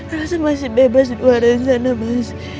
elsa masih bebas di luar sana mas